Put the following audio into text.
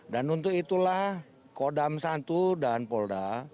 dan untuk itulah kodam satu dan polda